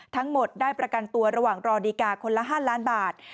ทั้งหมดได้ประกันตัวระหว่างรอดีการ์คนละ๕ล้านบาท